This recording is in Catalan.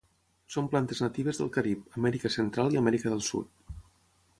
Són plantes natives del Carib, Amèrica Central i Amèrica del Sud.